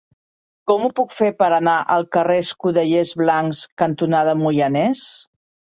Com ho puc fer per anar al carrer Escudellers Blancs cantonada Moianès?